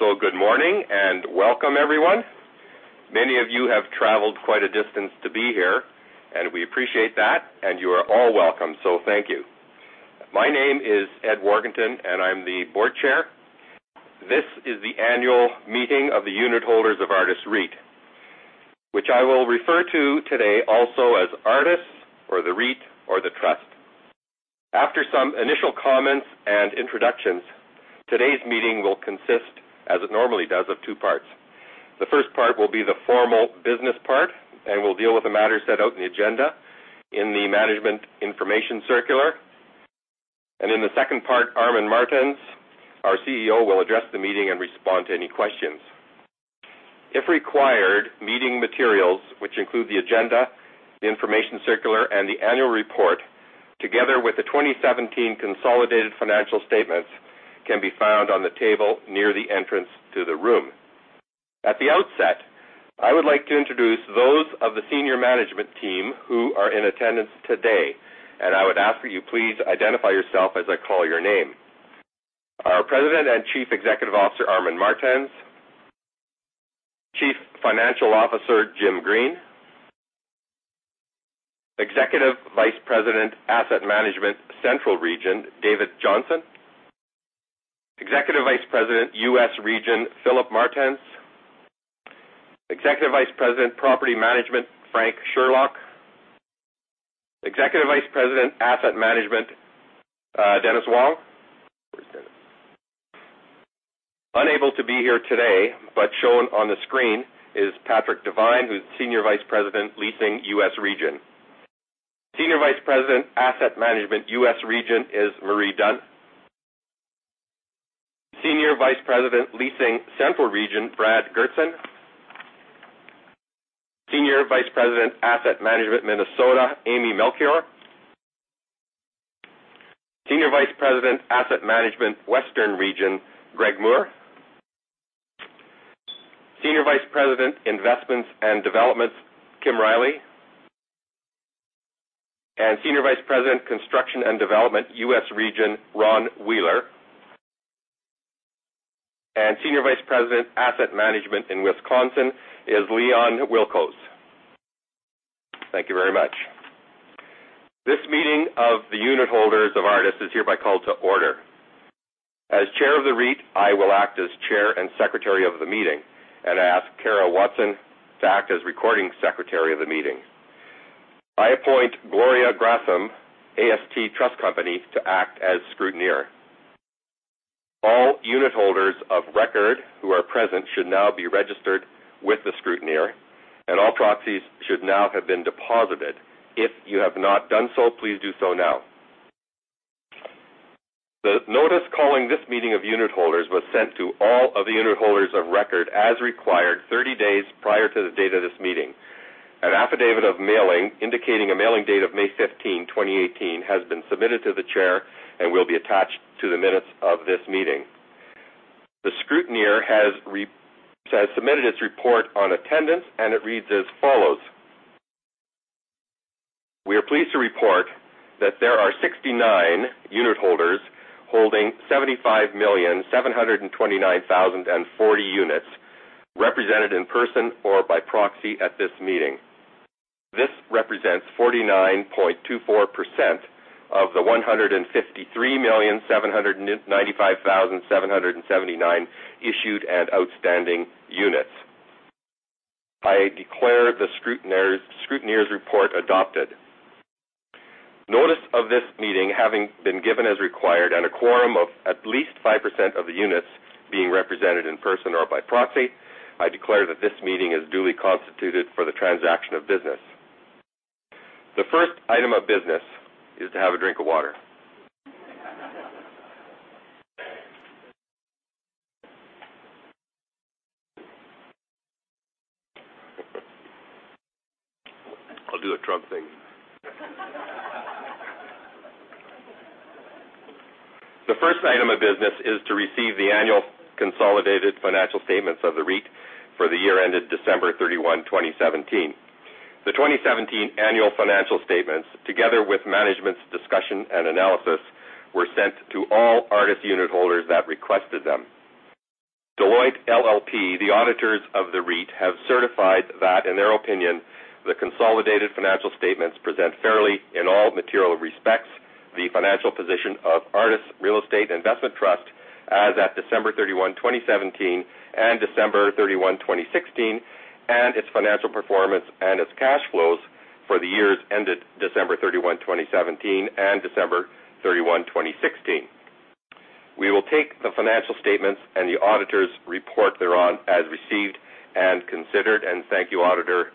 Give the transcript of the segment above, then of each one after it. Good morning and welcome everyone. Many of you have traveled quite a distance to be here, and we appreciate that, and you are all welcome. Thank you. My name is Edward Warkentin, and I am the Board Chair. This is the annual meeting of the unitholders of Artis REIT, which I will refer to today also as Artis or the REIT or the Trust. After some initial comments and introductions, today's meeting will consist, as it normally does, of two parts. The first part will be the formal business part, and we will deal with the matters set out in the agenda in the management information circular. In the second part, Armin Martens, our CEO, will address the meeting and respond to any questions. If required, meeting materials, which include the agenda, the information circular, and the annual report, together with the 2017 consolidated financial statements, can be found on the table near the entrance to the room. At the outset, I would like to introduce those of the senior management team who are in attendance today, and I would ask that you please identify yourself as I call your name. Our President and Chief Executive Officer, Armin Martens; Chief Financial Officer, Jim Green; Executive Vice President, Asset Management, Central Region, David Johnson; Executive Vice President, U.S. Region, Philip Martens; Executive Vice President, Property Management, Frank Sherlock; Executive Vice President, Asset Management, Dennis Wong. Where is Dennis? Unable to be here today, but shown on the screen, is Patrick Devine, who is Senior Vice President, Leasing, U.S. Region. Senior Vice President, Asset Management, U.S. Region is Marie Dunn. Senior Vice President, Leasing, Central Region, Brad Goertzen. Senior Vice President, Asset Management, Minnesota, Amy Melchior. Senior Vice President, Asset Management, Western Region, Greg Moore. Senior Vice President, Investments and Developments, Kim Riley. Senior Vice President, Construction and Development, U.S. Region, Ron Wheeler. Senior Vice President, Asset Management in Wisconsin is Leon Wilcox. Thank you very much. This meeting of the unitholders of Artis is hereby called to order. As Chair of the REIT, I will act as Chair and Secretary of the meeting and ask Kara Watson to act as Recording Secretary of the meeting. I appoint Gloria Gratham, AST Trust Company, to act as scrutineer. All unitholders of record who are present should now be registered with the scrutineer, and all proxies should now have been deposited. If you have not done so, please do so now. The notice calling this meeting of unitholders was sent to all of the unitholders of record as required 30 days prior to the date of this meeting. An affidavit of mailing indicating a mailing date of May 15, 2018, has been submitted to the Chair and will be attached to the minutes of this meeting. The scrutineer has submitted its report on attendance. It reads as follows. We are pleased to report that there are 69 unitholders holding 75,729,040 units represented in person or by proxy at this meeting. This represents 49.24% of the 153,795,779 issued and outstanding units. I declare the scrutineer's report adopted. Notice of this meeting having been given as required and a quorum of at least 5% of the units being represented in person or by proxy, I declare that this meeting is duly constituted for the transaction of business. The first item of business is to have a drink of water. I'll do a Trump thing. The first item of business is to receive the annual consolidated financial statements of the REIT for the year ended December 31, 2017. The 2017 annual financial statements, together with management's discussion and analysis, were sent to all Artis unitholders that requested them. Deloitte LLP, the auditors of the REIT, have certified that, in their opinion, the consolidated financial statements present fairly in all material respects the financial position of Artis Real Estate Investment Trust as at December 31, 2017, and December 31, 2016, and its financial performance and its cash flows for the years ended December 31, 2017, and December 31, 2016. We will take the financial statements and the auditor's report thereon as received and considered. Thank you, auditor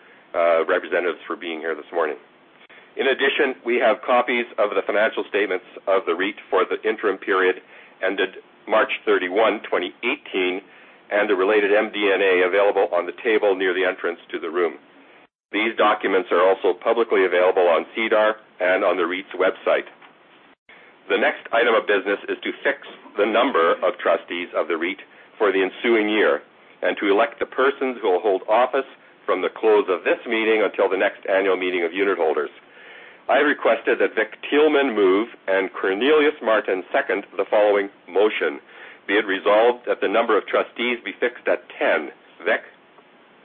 representatives, for being here this morning. In addition, we have copies of the financial statements of the REIT for the interim period ended March 31, 2018, and a related MD&A available on the table near the entrance to the room. These documents are also publicly available on SEDAR and on the REIT's website. The next item of business is to fix the number of trustees of the REIT for the ensuing year to elect the persons who will hold office from the close of this meeting until the next annual meeting of unitholders. I requested that Victor Thielmann move, and Cornelius Martens second the following motion: be it resolved that the number of trustees be fixed at 10. Vic?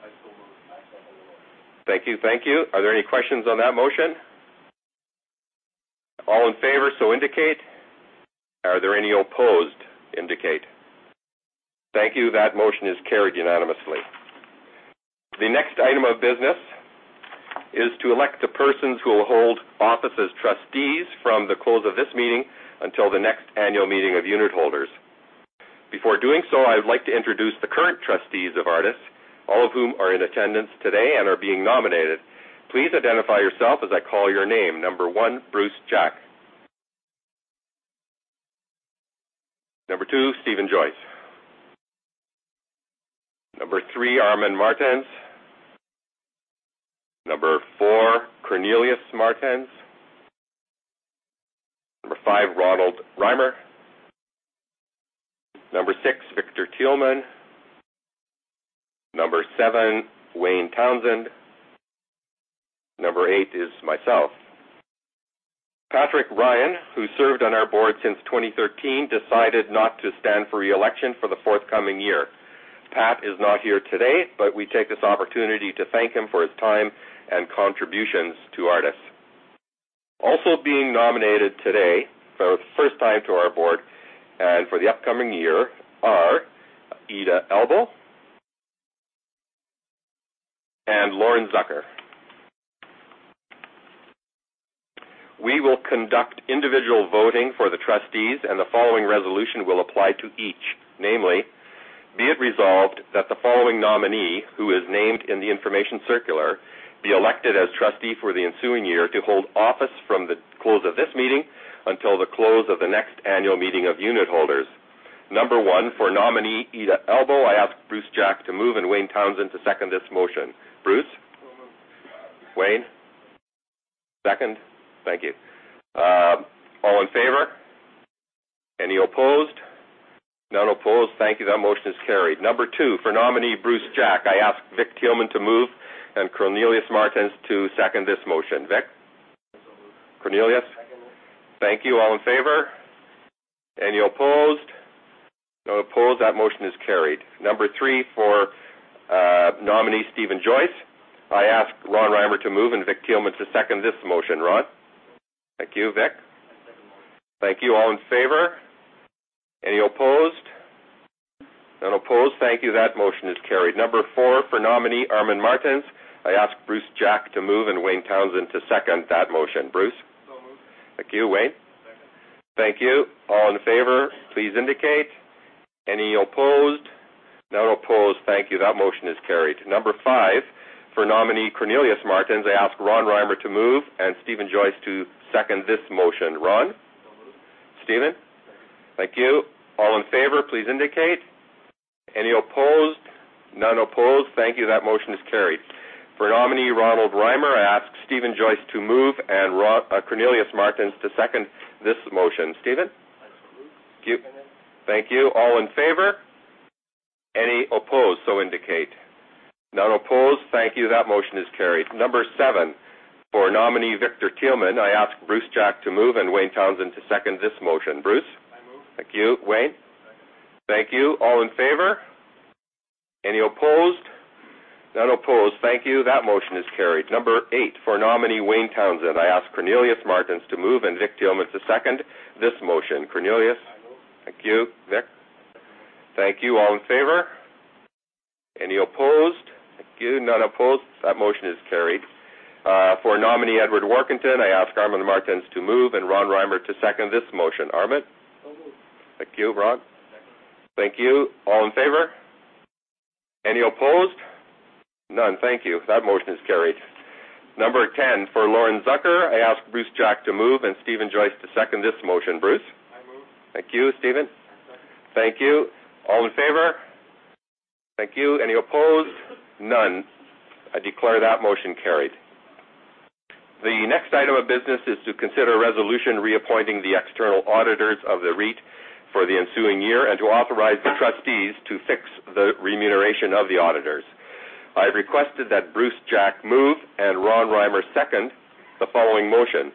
I so move. Thank you. Are there any questions on that motion? All in favor, so indicate. Are there any opposed? Indicate. Thank you. That motion is carried unanimously. The next item of business is to elect the persons who will hold office as trustees from the close of this meeting until the next annual meeting of unitholders. Before doing so, I would like to introduce the current trustees of Artis, all of whom are in attendance today and are being nominated. Please identify yourself as I call your name. Number one, Bruce Jack. Number two, Steven Joyce. Number three, Armin Martens. Number four, Cornelius Martens. Number five, Ronald Rimer. Number six, Victor Thielmann. Number seven, Wayne Townsend. Number eight is myself. Patrick Ryan, who served on our board since 2013, decided not to stand for re-election for the forthcoming year. Pat is not here today, but we take this opportunity to thank him for his time and contributions to Artis. Also being nominated today for the first time to our board and for the upcoming year are Ida Elbo and Lauren Zucker. We will conduct individual voting for the trustees, and the following resolution will apply to each, namely, be it resolved that the following nominee, who is named in the information circular, be elected as trustee for the ensuing year to hold office from the close of this meeting until the close of the next annual meeting of unitholders. Number one, for nominee Ida Elbo, I ask Bruce Jack to move and Wayne Townsend to second this motion. Bruce? So moved. Wayne? Second. Thank you. All in favor. Any opposed? None opposed. Thank you. That motion is carried. Number two, for nominee Bruce Jack, I ask Vic Thielmann to move and Cornelius Martens to second this motion. Vic? So moved. Cornelius? Second. Thank you. All in favor. Any opposed? None opposed. That motion is carried. Number 3, for nominee Steven Joyce, I ask Ron Rimer to move and Victor Thielmann to second this motion. Ron? Moved. Thank you. Vic? I second the motion. Thank you. All in favor. Any opposed? None opposed. Thank you. That motion is carried. Number 4, for nominee Armin Martens, I ask Bruce Jack to move and Wayne Townsend to second that motion. Bruce? Moved. Thank you. Wayne? Second. Thank you. All in favor, please indicate. Any opposed? None opposed. Thank you. That motion is carried. Number 5, for nominee Cornelius Martens, I ask Ron Rimer to move and Steven Joyce to second this motion. Ron? Moved. Steven? Second. Thank you. All in favor, please indicate. Any opposed? None opposed. Thank you. That motion is carried. For nominee Ronald Rimer, I ask Steven Joyce to move and Cornelius Martens to second this motion. Steven? I move. Thank you. Second. Thank you. All in favor. Any opposed, so indicate. None opposed. Thank you. That motion is carried. Number seven, for nominee Victor Thielmann, I ask Bruce Jack to move and Wayne Townsend to second this motion. Bruce? I move. Thank you. Wayne? Second. Thank you. All in favor. Any opposed? None opposed. Thank you. That motion is carried. Number eight, for nominee Wayne Townsend, I ask Cornelius Martens to move and Victor Thielmann to second this motion. Cornelius? I move. Thank you. Vic? Second. Thank you. All in favor. Any opposed? Thank you. None opposed. That motion is carried. For nominee Edward Warkentin, I ask Armin Martens to move and Ron Rimer to second this motion. Armin? So moved. Thank you. Ron? Second. Thank you. All in favor. Any opposed? None. Thank you. That motion is carried. Number 10, for Lauren Zucker, I ask Bruce Jack to move and Steven Joyce to second this motion. Bruce? I move. Thank you. Steven? I second. Thank you. All in favor. Thank you. Any opposed? None. I declare that motion carried. The next item of business is to consider a resolution reappointing the external auditors of the REIT for the ensuing year and to authorize the trustees to fix the remuneration of the auditors. I requested that Bruce Jack move and Ron Rimer second the following motion: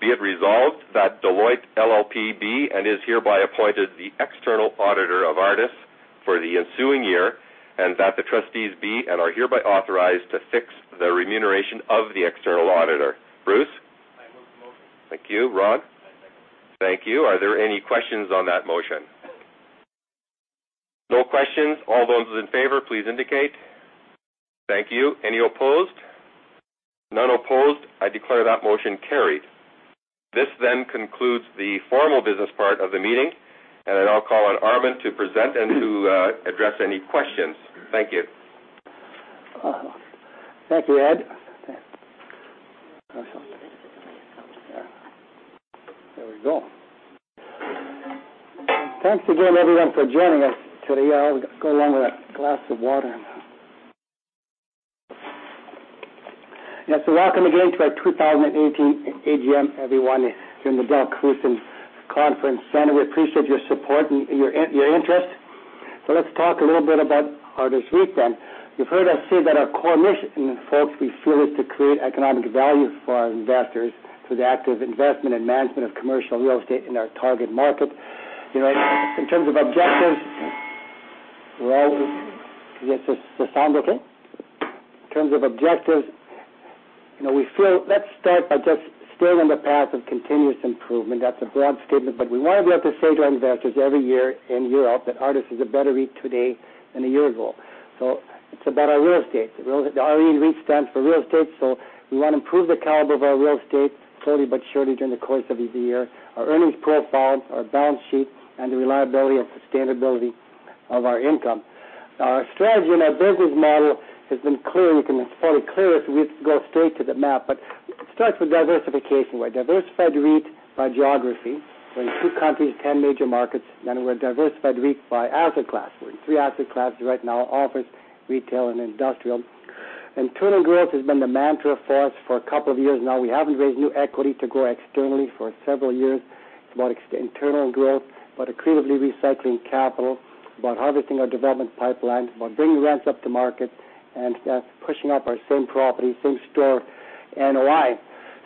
be it resolved that Deloitte LLP be and is hereby appointed the external auditor of Artis for the ensuing year, and that the trustees be and are hereby authorized to fix the remuneration of the external auditor. Bruce? I move the motion. Thank you. Ron? I second. Thank you. Are there any questions on that motion? No questions. All those in favor, please indicate. Thank you. Any opposed? None opposed. I declare that motion carried. This then concludes the formal business part of the meeting, and I'll call on Armin to present and to address any questions. Thank you. Thank you, Ed. There we go. Thanks again, everyone, for joining us today. I'll go along with a glass of water. Yes. Welcome again to our 2018 AGM, everyone, here in the Del Crewson Conference Centre. We appreciate your support and your interest. Let's talk a little bit about Artis REIT. You've heard us say that our core mission, folks, we feel, is to create economic value for our investors through the active investment and management of commercial real estate in our target market. In terms of objectives, Is the sound okay? In terms of objectives, let's start by just staying on the path of continuous improvement. That's a broad statement, but we want to be able to say to our investors every year in Europe that Artis is a better REIT today than a year ago. It's about our real estate. The RE in REIT stands for real estate. We want to improve the caliber of our real estate slowly but surely during the course of each year. Our earnings profile, our balance sheet, and the reliability and sustainability of our income. Our strategy and our business model has been clear. We can probably clear if we go straight to the map. It starts with diversification. We're a diversified REIT by geography. We're in two countries, 10 major markets. We're a diversified REIT by asset class. We're in three asset classes right now: office, retail, and industrial. Internal growth has been the mantra for us for a couple of years now. We haven't raised new equity to grow externally for several years. It's about internal growth, about accretively recycling capital, about harvesting our development pipeline, about bringing rents up to market, and thus pushing up our same property, same store NOI.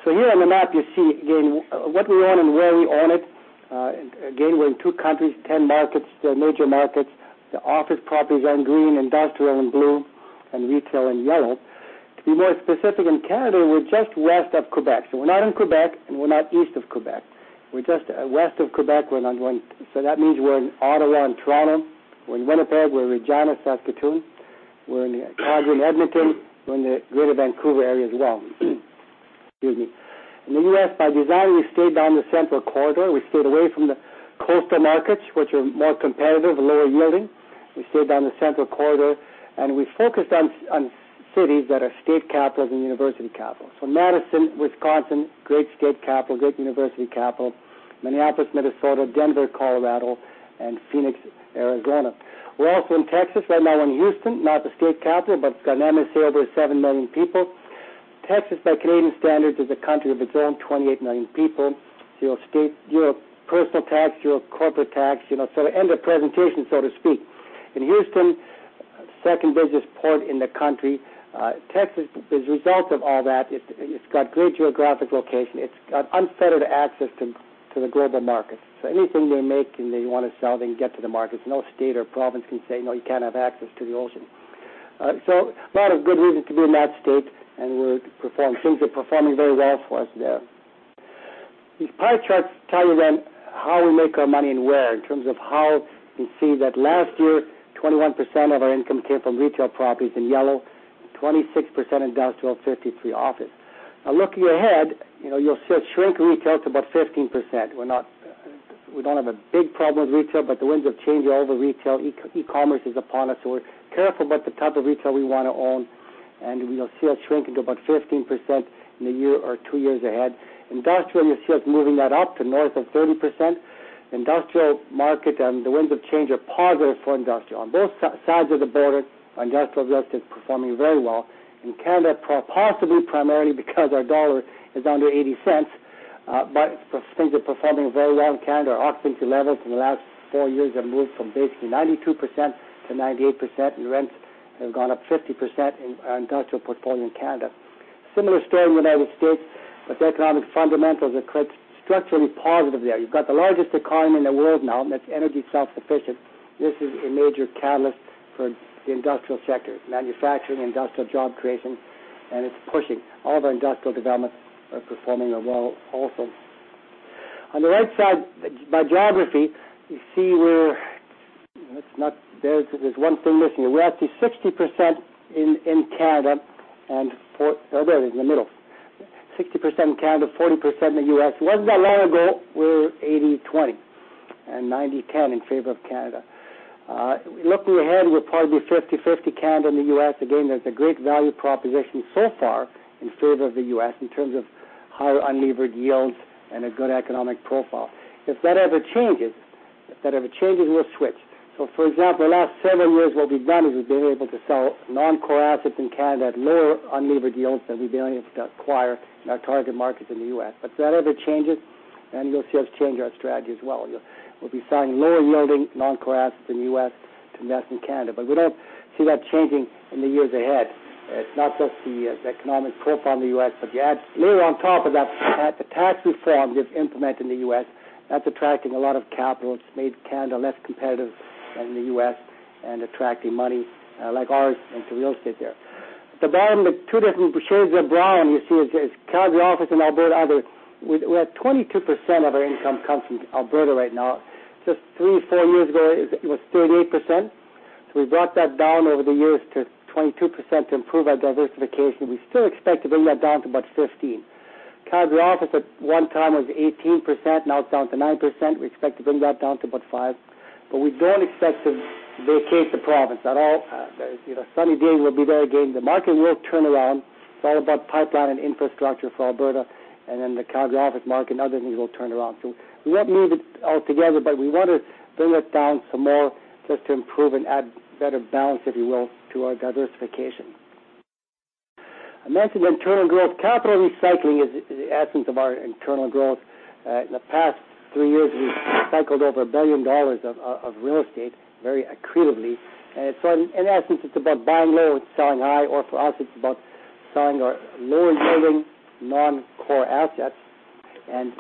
Here on the map you see again, what we own and where we own it. Again, we're in two countries, 10 markets, major markets. The office properties are in green, industrial in blue, and retail in yellow. To be more specific, in Canada, we're just west of Quebec. We're not in Quebec and we're not east of Quebec. We're just west of Quebec. That means we're in Ottawa and Toronto, we're in Winnipeg, we're in Regina, Saskatoon, we're in Calgary, Edmonton, we're in the greater Vancouver area as well. Excuse me. In the U.S., by design, we stayed down the central corridor. We stayed away from the coastal markets, which are more competitive and lower yielding. We stayed down the central corridor, and we focused on cities that are state capitals and university capitals. Madison, Wisconsin, great state capital, great university capital, Minneapolis, Minnesota, Denver, Colorado, and Phoenix, Arizona. We're also in Texas right now in Houston, not the state capital, but it's got an MSA over 7 million people. Texas, by Canadian standards, is a country of its own, 28 million people. Your personal tax, your corporate tax, end of presentation, so to speak. In Houston, second-biggest port in the country. Texas, as a result of all that, it's got great geographic location. It's got unfettered access to the global markets. Anything you're making that you want to sell, they can get to the markets. No state or province can say, "No, you can't have access to the ocean." A lot of good reasons to be in that state, and things are performing very well for us there. These pie charts tell you how we make our money and where, in terms of how we see that last year, 21% of our income came from retail properties in yellow. 26% industrial, 53% office. Looking ahead, you'll see us shrink retail to about 15%. We don't have a big problem with retail, but the winds of change are over retail. E-commerce is upon us. We're careful about the type of retail we want to own, and you'll see us shrink to about 15% in a year or two years ahead. Industrial, you'll see us moving that up to north of 30%. Industrial market and the winds of change are positive for industrial. On both sides of the border, industrial real estate is performing very well. In Canada, possibly primarily because our dollar is under 0.80. Things are performing very well in Canada. Our occupancy levels in the last four years have moved from basically 92%-98%, and rents have gone up 50% in our industrial portfolio in Canada. Similar story in the U.S., but the economic fundamentals are structurally positive there. You've got the largest economy in the world now, and it's energy self-sufficient. This is a major catalyst for the industrial sector, manufacturing, industrial job creation, and it's pushing. All of our industrial developments are performing well also. On the right side, by geography, you see. There's one thing missing. Oh, there, in the middle. 60% in Canada, 40% in the U.S. It wasn't that long ago, we were 80/20, and 90/10 in favor of Canada. Looking ahead, we're probably 50/50 Canada and the U.S. There's a great value proposition so far in favor of the U.S. in terms of higher unlevered yields and a good economic profile. If that ever changes, we'll switch. For example, the last several years, what we've done is we've been able to sell non-core assets in Canada at lower unlevered yields than we've been able to acquire in our target markets in the U.S. If that ever changes, then you'll see us change our strategy as well. We'll be selling lower yielding non-core assets in the U.S. to invest in Canada. We don't see that changing in the years ahead. It's not just the economic profile in the U.S., but you add layer on top of that, the tax reforms they've implemented in the U.S., that's attracting a lot of capital. It's made Canada less competitive than the U.S. and attracting money like ours into real estate there. The bottom, the two different shades of brown you see is Calgary office and Alberta others. We have 22% of our income come from Alberta right now. Just three, four years ago, it was 38%, so we brought that down over the years to 22% to improve our diversification. We still expect to bring that down to about 15%. Calgary office at one time was 18%, now it's down to 9%. We expect to bring that down to about 5%, but we don't expect to vacate the province at all. Sunny days will be there again. The market will turn around. It's all about pipeline and infrastructure for Alberta. Then the geographic market and other things will turn around too. We won't move it all together, but we want to bring it down some more just to improve and add better balance, if you will, to our diversification. I mentioned internal growth. Capital recycling is the essence of our internal growth. In the past three years, we've cycled over 1 billion dollars of real estate very accretively. In essence, it's about buying low and selling high, or for us, it's about selling our lower-yielding non-core assets and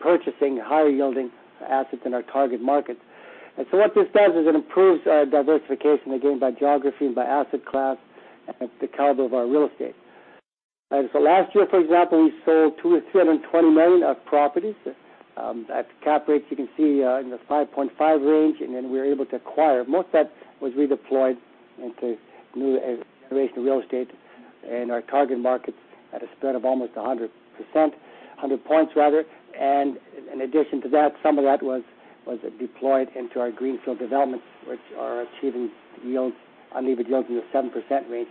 purchasing higher-yielding assets in our target markets. What this does is it improves diversification, again, by geography and by asset class and the caliber of our real estate. Last year, for example, we sold 220 million of properties. Cap rates, you can see in the 5.5 range. We were able to acquire. Most of that was redeployed into new generation real estate in our target markets at a spread of almost 100%, 100 points rather. In addition to that, some of that was deployed into our greenfield developments, which are achieving unlevered yields in the 7% range.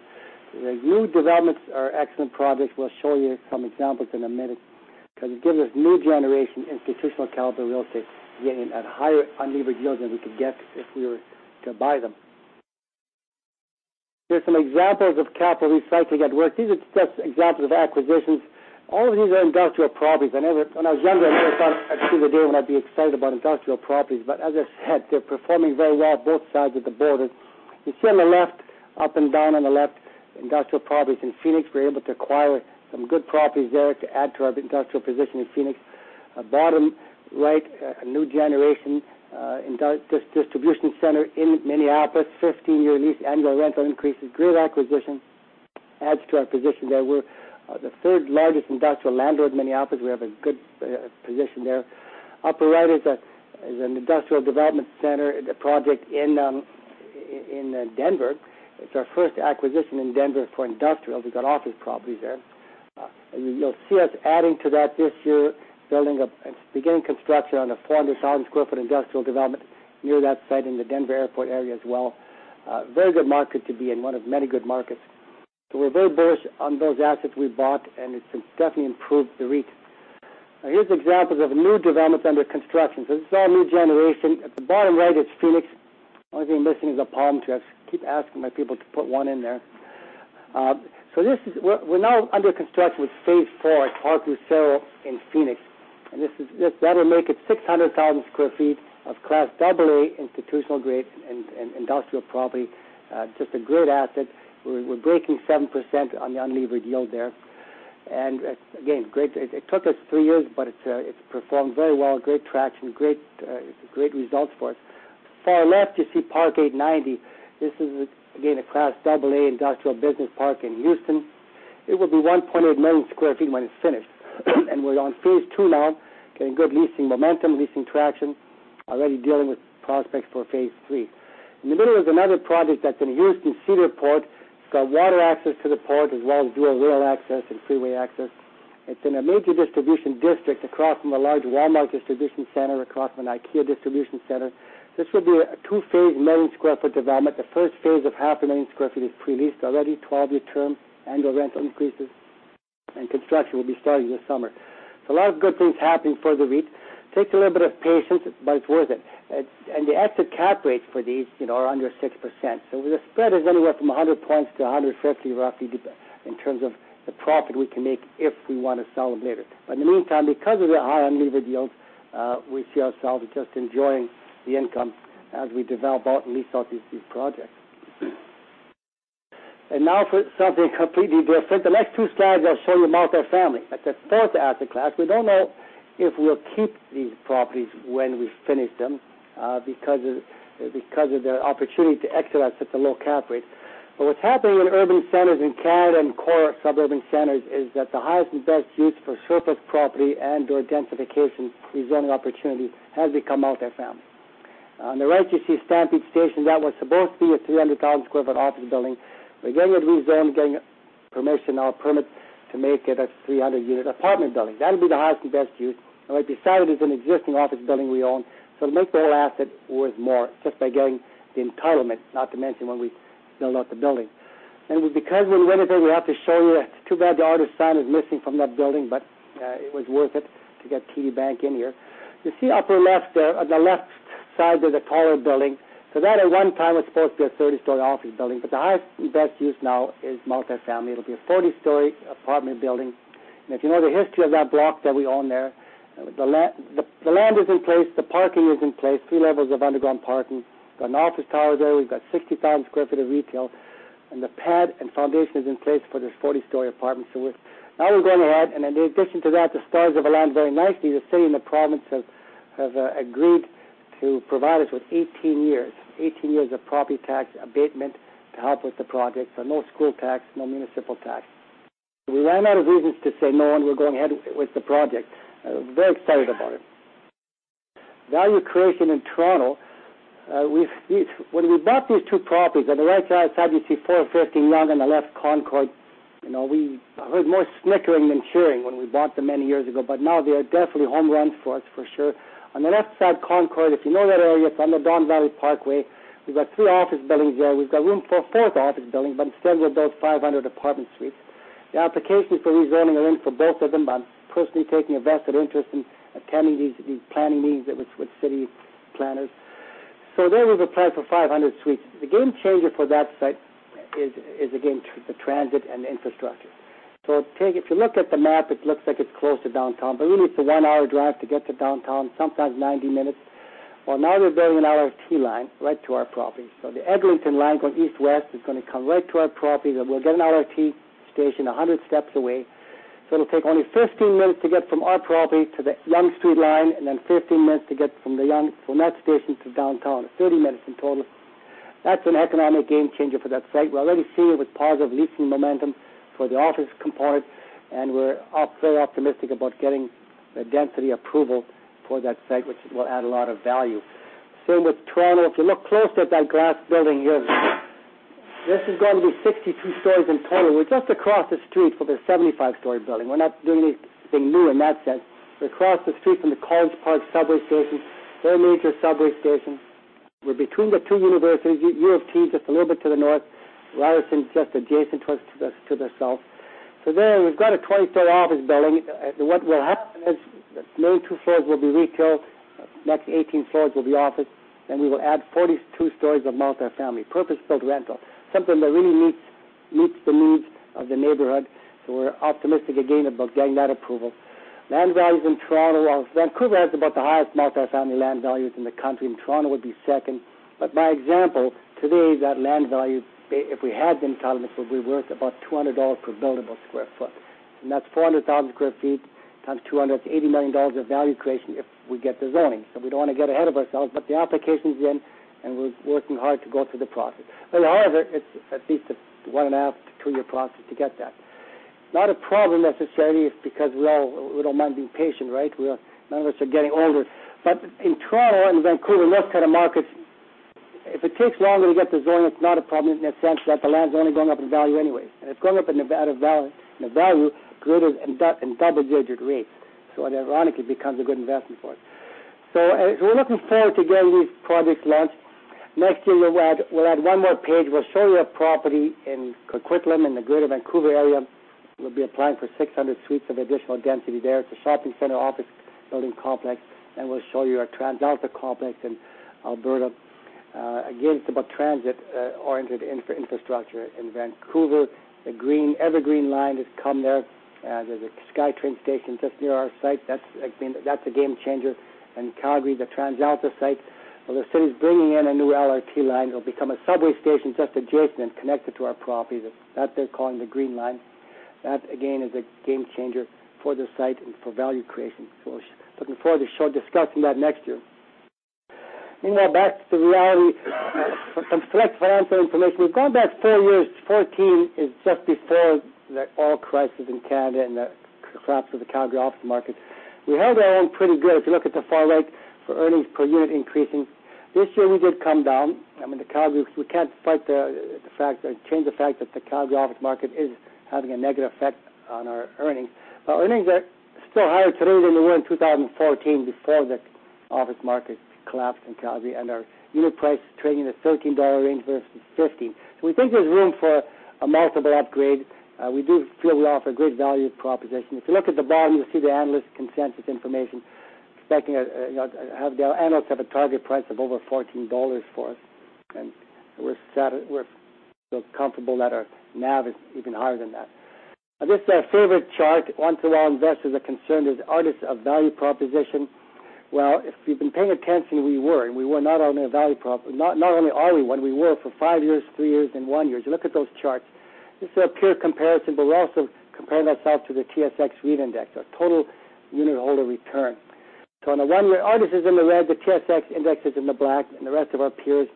The new developments are excellent projects. We'll show you some examples in a minute. It gives us new generation institutional caliber real estate, again, at higher unlevered yields than we could get if we were to buy them. Here's some examples of cap rates recycling at work. These are just examples of acquisitions. All of these are industrial properties. When I was younger, I never thought I'd see the day when I'd be excited about industrial properties. As I said, they're performing very well, both sides of the border. You see on the left, up and down on the left, industrial properties in Phoenix. We were able to acquire some good properties there to add to our industrial position in Phoenix. At bottom right, a new generation distribution center in Minneapolis, 15-year lease, annual rental increases, great acquisition, adds to our position there. We're the third-largest industrial landlord in Minneapolis. We have a good position there. Upper right is an industrial development center, the project in Denver. It's our first acquisition in Denver for industrial. We've got office properties there. You'll see us adding to that this year, beginning construction on a 400,000 sq ft industrial development near that site in the Denver Airport area as well. A very good market to be in, one of many good markets. We're very bullish on those assets we bought, and it's definitely improved the REIT. Now, here's examples of new developments under construction. This is all new generation. At the bottom right, it's Phoenix. Only thing missing is a palm tree. I keep asking my people to put one in there. We're now under construction with phase 4 at Park Lucero in Phoenix. That'll make it 600,000 sq ft of Class AA institutional-grade and industrial property. Just a great asset. We're breaking 7% on the unlevered yield there. Again, it took us three years, it's performed very well, great traction, great results for us. Far left, you see Park 890. This is again, a Class AA industrial business park in Houston. It will be 1.8 million sq ft when it's finished. We're on phase 2 now, getting good leasing momentum, leasing traction, already dealing with prospects for phase 3. In the middle is another project that's in Houston Cedar Port. It's got water access to the port as well as dual rail access and freeway access. It's in a major distribution district across from a large Walmart distribution center, across from an IKEA distribution center. This will be a 2-phase, million-sq-ft development. The first phase of half a million sq ft is pre-leased already, 12-year term, annual rental increases, construction will be starting this summer. A lot of good things happening for the REIT. Takes a little bit of patience, it's worth it. The exit cap rates for these are under 6%. The spread is anywhere from 100 points to 150, roughly, in terms of the profit we can make if we want to sell them later. In the meantime, because of the high unlevered yields, we see ourselves just enjoying the income as we develop out and lease out these projects. Now for something completely different. The next two slides I'll show you multifamily. That's a fourth asset class. We don't know if we'll keep these properties when we finish them because of their opportunity to exit us at the low cap rate. What's happening in urban centers in Canada and core suburban centers is that the highest and best use for surplus property and/or densification rezoning opportunity has become multifamily. On the right, you see Stampede Station. That was supposed to be a 300,000 sq ft office building. We're getting it rezoned, getting permission or permit to make it a 300-unit apartment building. That'll be the highest and best use. We decided it's an existing office building we own, so it'll make the whole asset worth more just by getting the entitlement, not to mention when we sell out the building. Because we're in Winnipeg, we have to show you. It's too bad the Artis's sign is missing from that building, but it was worth it to get TD Bank in here. You see upper left there, on the left side, there's a taller building. That at one time was supposed to be a 30-story office building, but the highest and best use now is multifamily. It'll be a 40-story apartment building. If you know the history of that block that we own there, the land is in place, the parking is in place, 3 levels of underground parking. We've got an office tower there. We've got 60,000 sq ft of retail, and the pad and foundation is in place for this 40-story apartment. Now we're going ahead, in addition to that, the stars have aligned very nicely. The city and the province have agreed to provide us with 18 years of property tax abatement to help with the project. No school tax, no municipal tax. We ran out of reasons to say no, we're going ahead with the project. Very excited about it. Value creation in Toronto. When we bought these two properties, on the right-hand side, you see 450 Yonge, on the left, Concord. We heard more snickering than cheering when we bought them many years ago, but now they are definitely home runs for us, for sure. On the left side, Concord, if you know that area, it's on the Don Valley Parkway. We've got three office buildings there. We've got room for a fourth office building, but instead we'll build 500 apartment suites. The applications for rezoning are in for both of them. I'm personally taking a vested interest in attending these planning meetings with city planners. There, we've applied for 500 suites. The game changer for that site is, again, the transit and the infrastructure. If you look at the map, it looks like it's close to downtown, but really it's a one-hour drive to get to downtown, sometimes 90 minutes. Now we're building an LRT line right to our property. The Eglinton line going east-west is going to come right to our property, and we'll get an LRT station 100 steps away. It'll take only 15 minutes to get from our property to the Yonge Street line, and then 15 minutes to get from that station to downtown, 30 minutes in total. That's an economic game changer for that site. We're already seeing it with positive leasing momentum for the office component, and we're very optimistic about getting the density approval for that site, which will add a lot of value. Same with Toronto. If you look close at that glass building here, this is going to be 62 stories in total. We're just across the street from the 75-story building. We're not doing anything new in that sense. We're across the street from the College Park subway station, very major subway station. We're between the two universities, U of T, just a little bit to the north. Ryerson is just adjacent to us to the south. There we've got a 20-story office building. What will happen is maybe two floors will be retail, the next 18 floors will be office, then we will add 42 stories of multifamily, purpose-built rental, something that really meets the needs of the neighborhood. We're optimistic again about getting that approval. Land values in Toronto. Vancouver has about the highest multifamily land values in the country, and Toronto would be second. My example today is that land value, if we had the entitlements, would be worth about 200 dollars per buildable square foot. And that's 400,000 sq ft times 200. It's 80 million dollars of value creation if we get the zoning. We don't want to get ahead of ourselves, but the application's in and we're working hard to go through the process. With all of it's at least a one-and-a-half to two-year process to get that. Not a problem necessarily because we don't mind being patient, right? None of us are getting older. In Toronto and Vancouver and those kind of markets, if it takes longer to get the zoning, it's not a problem in a sense that the land's only going up in value anyways. And it's going up in value greater and double-digit rates. Ironically, it becomes a good investment for us. We're looking forward to getting these projects launched. Next year, we'll add one more page. We'll show you a property in Coquitlam in the Greater Vancouver area. We'll be applying for 600 suites of additional density there. It's a shopping center, office building complex, and we'll show you our TransAlta complex in Alberta. It's about transit-oriented infrastructure. In Vancouver, the Evergreen line has come there. There's a SkyTrain station just near our site. A game changer. In Calgary, the TransAlta site. The city's bringing in a new LRT line. It'll become a subway station just adjacent and connected to our property, that they're calling the Green Line. Again, is a game changer for the site and for value creation. Looking forward to discussing that next year. Back to reality. Some select financial information. We've gone back four years. 2014 is just before the oil crisis in Canada and the collapse of the Calgary office market. We held our own pretty good. If you look at the far right for earnings per unit increasing. We did come down. I mean, we can't fight the fact or change the fact that the Calgary office market is having a negative effect on our earnings. Our earnings are still higher today than they were in 2014 before the office market collapsed in Calgary, and our unit price is trading at 13 dollar range versus 15. We think there's room for a multiple upgrade. We do feel we offer great value proposition. If you look at the bottom, you'll see the analyst consensus information. The analysts have a target price of over 14 dollars for us, and we feel comfortable that our NAV is even higher than that. This is our favorite chart. Once in a while, investors are concerned with Artis of value proposition. Well, if you've been paying attention, we were, and Not only are we one, we were for five years, three years, and one year. Look at those charts. This is a peer comparison, but we're also comparing ourselves to the TSX REIT index, our total unit holder return. On a one-year, Artis is in the red, the TSX index is in the black, and the rest of our peers,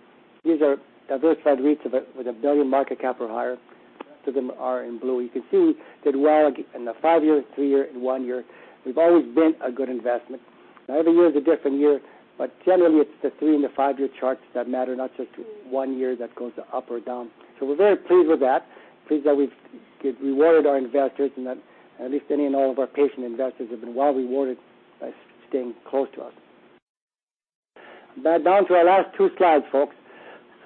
these are diversified REITs with a billion market cap or higher, most of them are in blue. You can see we did well in the five-year, three-year, and one year. We've always been a good investment. Now, every year is a different year, but generally, it's the three- and the five-year charts that matter, not just one year that goes up or down. We're very pleased with that, pleased that we rewarded our investors, and that at least any and all of our patient investors have been well rewarded by staying close to us. Back down to our last two slides, folks.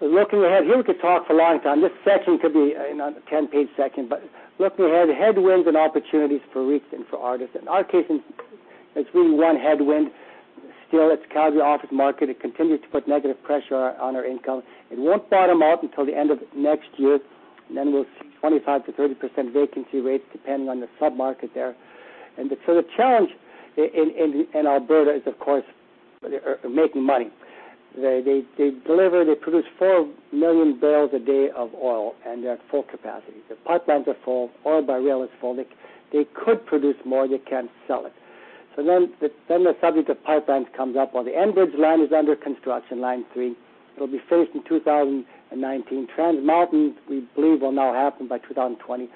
Looking ahead, here we could talk for a long time. This section could be a 10-page section, but looking ahead, headwinds and opportunities for REITs and for Artis. In our case, it's really one headwind still. It's Calgary office market. It continues to put negative pressure on our income. It won't bottom out until the end of next year. Then we'll see 25%-30% vacancy rates depending on the sub-market there. The challenge in Alberta is, of course, making money. They deliver, they produce four million barrels a day of oil, and they're at full capacity. The pipelines are full. Oil by rail is full. They could produce more. They can't sell it. The subject of pipelines comes up. Well, the Enbridge line is under construction, Line 3. It'll be finished in 2019. Trans Mountain, we believe, will now happen by 2020.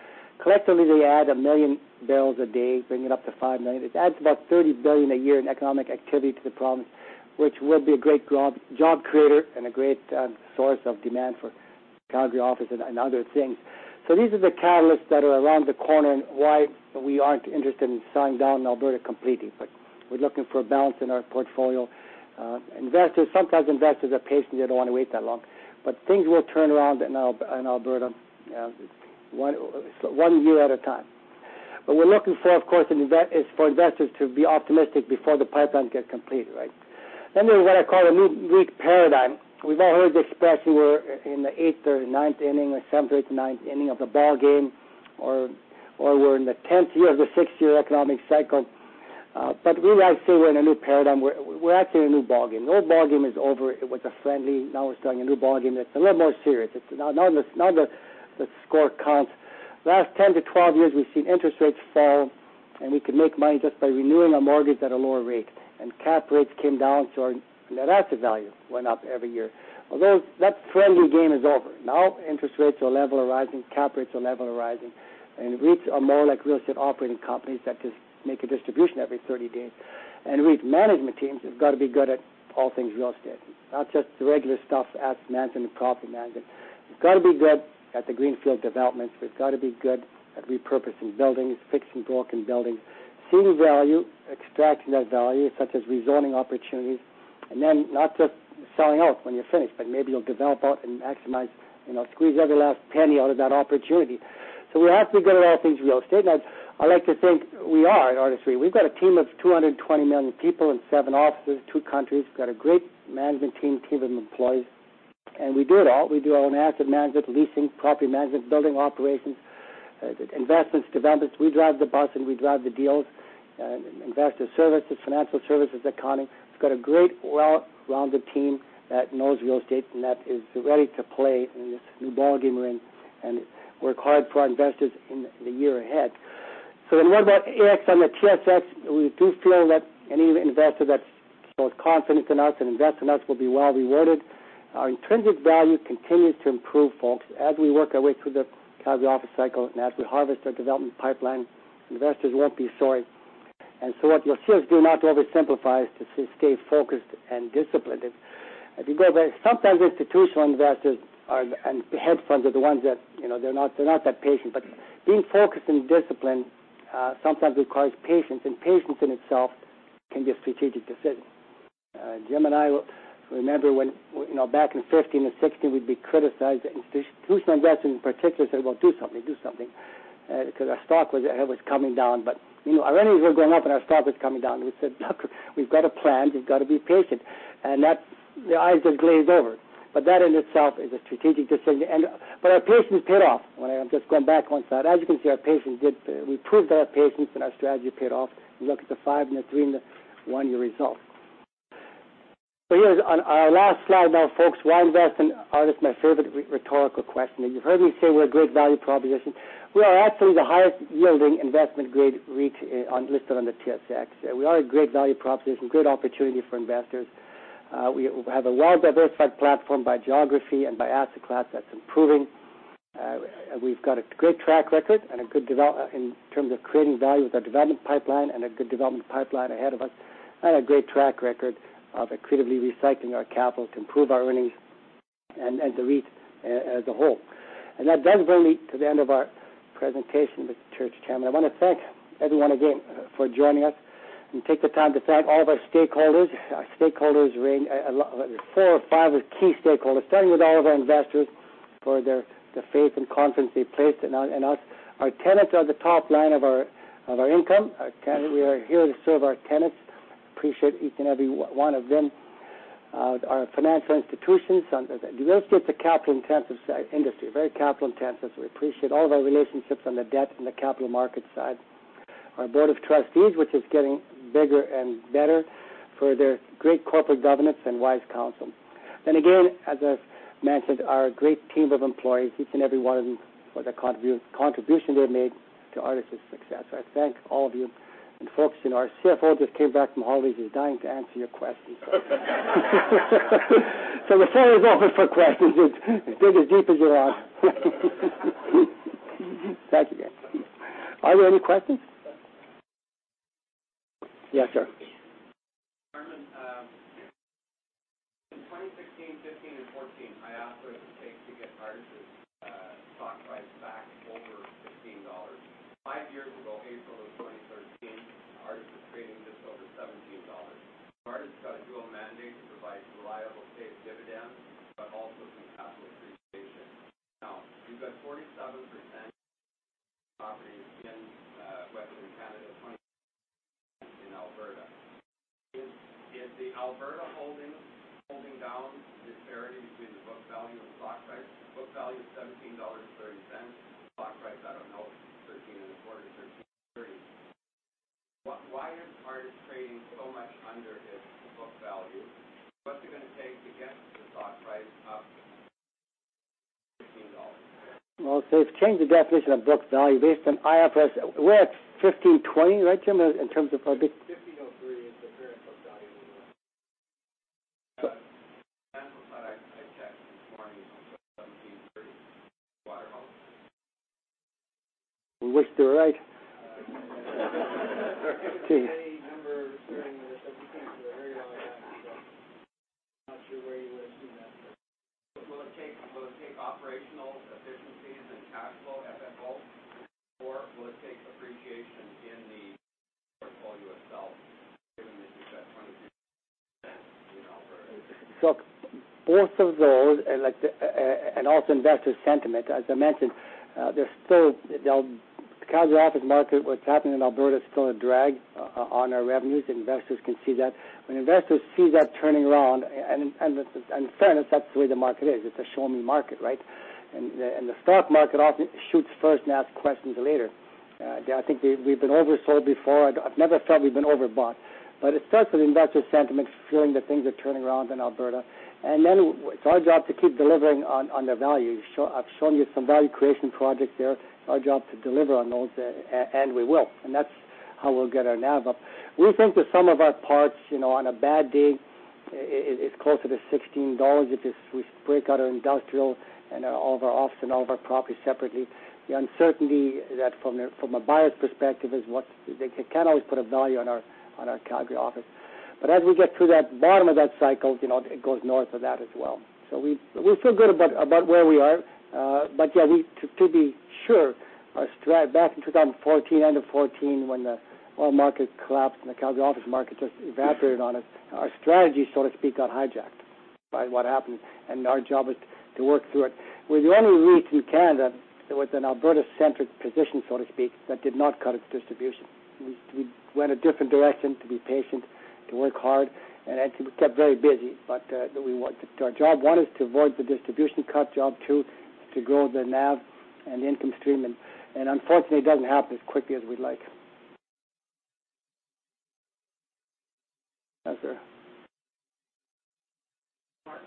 Collectively, they add a million barrels a day, bringing it up to five million. It adds about 30 billion a year in economic activity to the province, which will be a great job creator and a great source of demand for Calgary office and other things. These are the catalysts that are around the corner and why we aren't interested in shutting down Alberta completely, but we're looking for a balance in our portfolio. Sometimes investors are patient. They don't want to wait that long. Things will turn around in Alberta one year at a time. We're looking for, of course, is for investors to be optimistic before the pipeline gets completed, right? There's what I call a new REIT paradigm. We've all heard this expression, we're in the eighth or ninth inning, or seventh, eighth, ninth inning of the ballgame, or we're in the 10th year of the six-year economic cycle. Really, I say we're in a new paradigm. We're actually in a new ballgame. The old ballgame is over. It was friendly. We're starting a new ballgame that's a little more serious. Now the score counts. Last 10 to 12 years, we've seen interest rates fall, and we could make money just by renewing a mortgage at a lower rate. And cap rates came down, so our NAV went up every year. That friendly game is over. Interest rates are level or rising, cap rates are level or rising, and REITs are more like real estate operating companies that just make a distribution every 30 days. And REIT management teams have got to be good at all things real estate, not just the regular stuff, asset management and property management. They've got to be good at the greenfield developments. They've got to be good at repurposing buildings, fixing broken buildings, seeing value, extracting that value, such as rezoning opportunities, and then not just selling out when you're finished, but maybe you'll develop and maximize and squeeze every last penny out of that opportunity. So we have to be good at all things real estate. I like to think we are at Artis REIT. We've got a team of [220] people in seven offices, two countries. We've got a great management team of employees, and we do it all. We do all the asset management, leasing, property management, building operations, investments, developments. We drive the bus and we drive the deals, investor services, financial services, accounting. We've got a great, well-rounded team that knows real estate and that is ready to play in this new ballgame we're in and work hard for our investors in the year ahead. What about AX on the TSX? We do feel that any investor that shows confidence in us and invests in us will be well rewarded. Our intrinsic value continues to improve, folks. As we work our way through the Calgary office cycle, and as we harvest our development pipeline, investors won't be sorry. What you'll see us do, not to oversimplify, is to stay focused and disciplined. Sometimes institutional investors and hedge funds are the ones that are not that patient, but being focused and disciplined sometimes requires patience, and patience in itself can be a strategic decision. Jim and I remember when, back in 2015 and 2016, we'd be criticized, institutional investors in particular said, "Well, do something, do something." Our stock was coming down but our earnings were going up and our stock was coming down. We said, "Look, we've got a plan. You've got to be patient." And the eyes just glazed over. That in itself is a strategic decision. Our patience paid off. I'm just going back on that. As you can see, we proved our patience and our strategy paid off. If you look at the five and the three and the one-year results. Here, on our last slide now, folks, why invest in Artis? My favorite rhetorical question. You've heard me say we're a great value proposition. We are actually the highest yielding investment-grade REIT listed on the TSX. We are a great value proposition, a good opportunity for investors. We have a well-diversified platform by geography and by asset class that's improving. We've got a great track record in terms of creating value with our development pipeline and a good development pipeline ahead of us, and a great track record of accretively recycling our capital to improve our earnings and the REIT as a whole. That does bring me to the end of our presentation, Mr. Chairman. I want to thank everyone again for joining us and take the time to thank all of our stakeholders. There are four or five key stakeholders, starting with all of our investors for the faith and confidence they placed in us. Our tenants are the top line of our income. We are here to serve our tenants. Appreciate each and every one of them. Our financial institutions. Real estate is a capital-intensive industry, very capital intensive. We appreciate all of our relationships on the debt and the capital market side. Our board of trustees, which is getting bigger and better for their great corporate governance and wise counsel. Again, as I've mentioned, our great team of employees, each and every one of them for the contribution they've made to Artis' success. I thank all of you. Folks, our CFO just came back from holidays. He's dying to answer your questions. The floor is open for questions. Dig as deep as you want. Thank you. Are there any questions? Yes, sir. Armin, in 2016, 2015, and 2014, I asked what it would take to get Artis' stock price back over 15 dollars. Five years ago, April of 2013, Artis was trading just over 17 dollars. Artis got a dual mandate to provide reliable, safe dividends, but also some capital appreciation. Now, you've got 47% properties in Western Canada, 20% in Alberta. Is the Alberta holding down the disparity between the book value and the stock price? Book value is 17.30 dollars. Stock price, I don't know, 13.25, CAD investor sentiment. As I mentioned, the Calgary office market, what's happening in Alberta, is still a drag on our revenues. Investors can see that. When investors see that turning around, and in fairness, that's the way the market is. It's a show-me market, right? The stock market often shoots first and asks questions later. I think we've been oversold before. I've never felt we've been overbought. It starts with investor sentiment, feeling that things are turning around in Alberta. Then it's our job to keep delivering on the value. I've shown you some value creation projects there. It's our job to deliver on those, and we will. That's how we'll get our NAV up. We think that sum of our parts, on a bad day, it's closer to 16 dollars if we break out our industrial and all of our office and all of our properties separately. The uncertainty from a buyer's perspective is they can't always put a value on our Calgary office. As we get to that bottom of that cycle, it goes north of that as well. We feel good about where we are. Yeah, to be sure, back in 2014, end of 2014 when the oil market collapsed and the Calgary office market just evaporated on us, our strategy, so to speak, got hijacked by what happened, and our job is to work through it. We're the only REIT in Canada with an Alberta-centric position, so to speak, that did not cut its distribution. We went a different direction, to be patient, to work hard, and we kept very busy. Our job, 1, is to avoid the distribution cut, job 2, to grow the NAV and the income stream. Unfortunately, it doesn't happen as quickly as we'd like. Thanks, sir. Martin.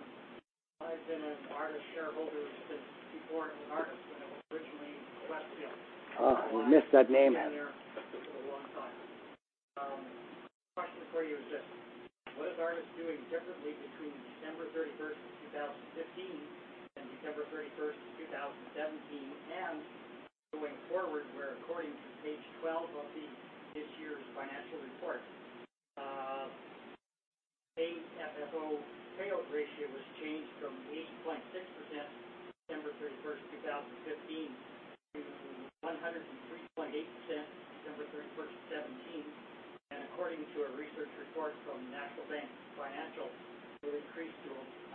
I've been an Artis shareholder since before it was Artis, when it was originally Westfield. Oh, I missed that name then. Been there for a long time. Question for you is this: What is Artis doing differently between December 31, 2015 and December 31, 2017 and going forward, where according to page 12 of this year's financial report, AFFO payout ratio was changed from 8.6% December 31, 2015 to 103.8% December 31, 2017, and according to a research report from National Bank Financial, will increase to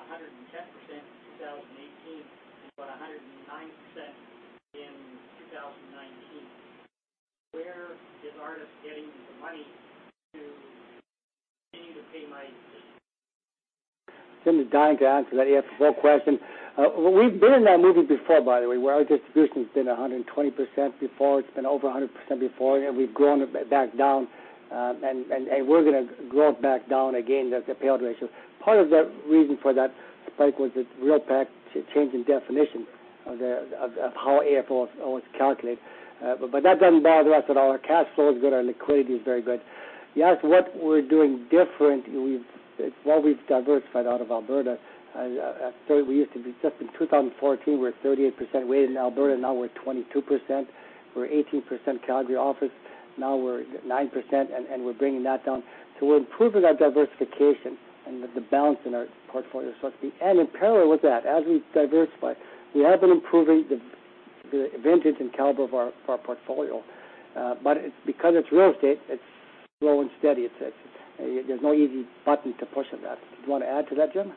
110% in 2018 and about 109% in 2019. Where is Artis getting the money to continue to pay my- Jim is dying to answer that. He asked a full question. We've been in that movie before, by the way, where our distribution's been 120% before. It's been over 100% before, and we've grown it back down. We're going to grow it back down again, that's the payout ratio. Part of the reason for that spike was the real change in definition of how AFFO was calculated. That doesn't bother us at all. Our cash flow is good. Our liquidity is very good. You asked what we're doing different. We've diversified out of Alberta. Just in 2014, we're 38% weighted in Alberta. Now we're 22%. We're 18% Calgary office. Now we're 9%, and we're bringing that down. We're improving our diversification and the balance in our portfolio, so to speak. In parallel with that, as we diversify, we have been improving the vintage and caliber of our portfolio. Because it's real estate, it's slow and steady. There's no easy button to push on that. Do you want to add to that, Jim?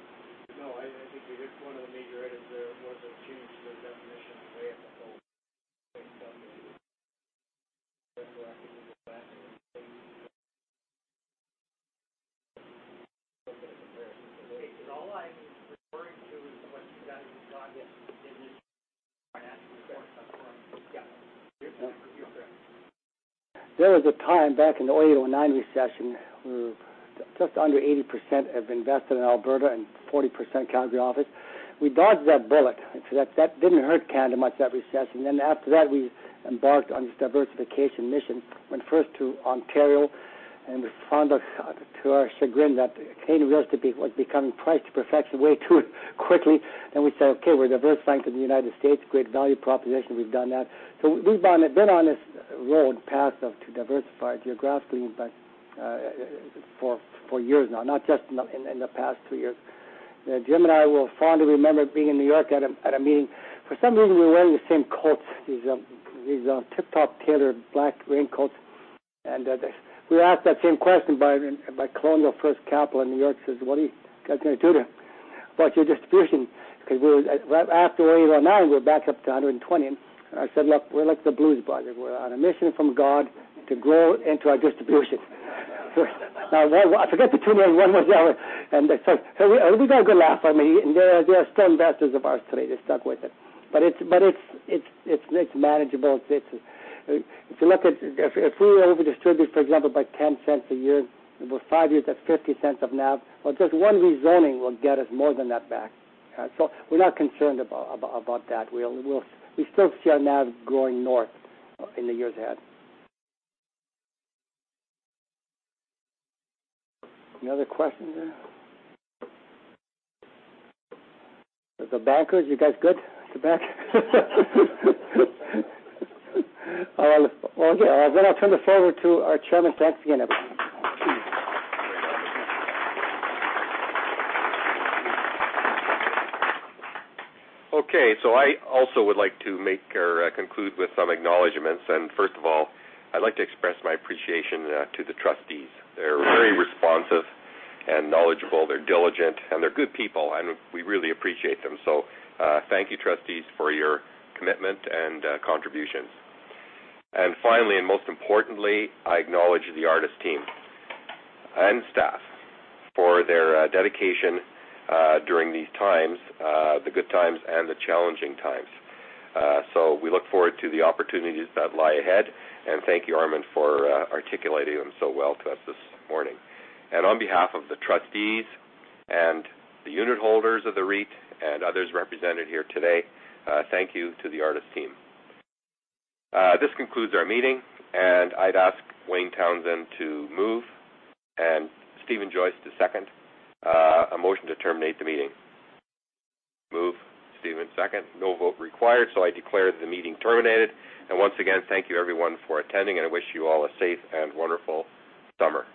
I think one of the major items there was a change to the definition of AFFO based on the 2020 Because all I'm referring to is what you've got in black and white in this financial report that's in front. Yeah. Your turn. There was a time back in the 2008, 2009 recession where just under 80% have invested in Alberta and 40% Calgary office. We dodged that bullet. That didn't hurt Canada much, that recession. After that, we embarked on this diversification mission. Went first to Ontario, and we found out to our chagrin that Canadian real estate was becoming priced to perfection way too quickly. We said, "Okay, we're diversifying to the U.S. Great value proposition." We've done that. We've been on this road path of to diversify geographically, but for years now, not just in the past two years. Jim and I will fondly remember being in N.Y. at a meeting. For some reason, we were wearing the same coats, these Tip Top Tailors black raincoats, and we were asked that same question by Colonial First State in N.Y., says, "What are you guys going to do about your distribution?" Because right after 2009, we were back up to 1.20, and I said, "Look, we're like The Blues Brothers. We're on a mission from God to grow into our distribution." Now, forget the tune on one more hour, and we got a good laugh out of many. They are still investors of ours today. They stuck with it. It's manageable. If we over distribute, for example, by 0.10 a year, over five years, that's 0.50 of NAV. Just one rezoning will get us more than that back. We're not concerned about that. We still see our NAV growing north in the years ahead. Then I'll turn this over to our chairman. Thanks again, everyone. So I also would like to conclude with some acknowledgments. First of all, I'd like to express my appreciation to the trustees. They're very responsive and knowledgeable. They're diligent, and they're good people, and we really appreciate them. Thank you, trustees, for your commitment and contributions. Finally, most importantly, I acknowledge the Artis team and staff for their dedication during these times, the good times and the challenging times. We look forward to the opportunities that lie ahead, and thank you, Armin, for articulating them so well to us this morning. On behalf of the trustees and the unit holders of the REIT and others represented here today, thank you to the Artis team. This concludes our meeting, and I'd ask Wayne Townsend to move and Steven Joyce to second a motion to terminate the meeting. Move, Steven second. No vote required. I declare the meeting terminated. Once again, thank you, everyone, for attending, and I wish you all a safe and wonderful summer.